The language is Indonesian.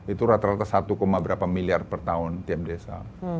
itu rata rata satu berapa miliar per tahun tiap desa